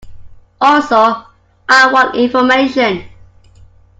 Also, I want information.